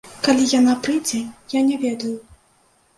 Калі яна прыйдзе, я не ведаю.